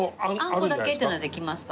あんこだけっていうのはできますか？